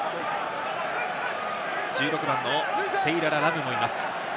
１６番のセイララ・ラムもいます。